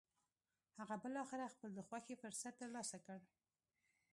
هغه بالاخره خپل د خوښې فرصت تر لاسه کړ.